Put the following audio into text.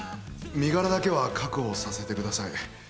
身柄だけは確保させてください。